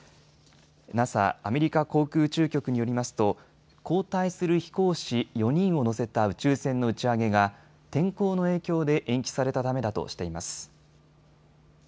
ＮＡＳＡ・アメリカ航空宇宙局によりますと交代する飛行士４人を乗せた宇宙船の打ち上げが天候の影響で延期されたためだとしています。